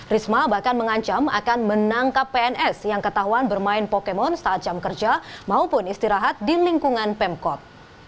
risma bahkan mengancam akan menangkap pns yang ketahuan bermain pokemon saat jam kerja maupun istirahat di lingkungan pemkot